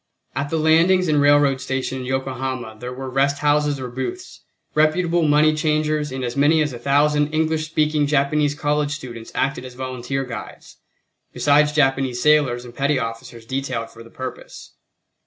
At the landings and railroad station in Yokohama there were rest houses or booths, reputable money changers and as many as a thousand English speaking Japanese college students acted as volunteer guides, besides Japanese sailors and petty officers detailed for the purpose.